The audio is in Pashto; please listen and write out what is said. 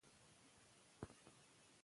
مور وویل چې ماشوم باید درس ولولي.